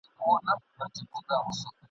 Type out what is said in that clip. که ناوخته درته راغلم بهانې چي هېر مي نه کې ..